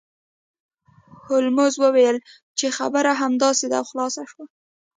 هولمز وویل چې خبره همداسې ده او خلاصه شوه